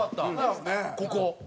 ここ。